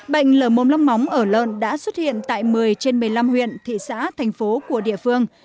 bệnh lở mồm long móng ở lợn đã xuất hiện tại một mươi trên một mươi năm huyện thị xã thành phố của địa phương